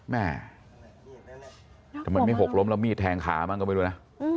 แม่มีหกล้มแล้วมีดแทงขามั้นก็ไม่รู้นะ